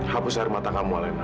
hapus dari mata kamu alena